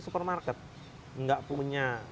supermarket tidak punya